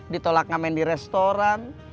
ditolak ngamen di restoran